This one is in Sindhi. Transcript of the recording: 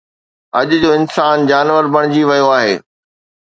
اڄ جو انسان جانور بڻجي ويو آهي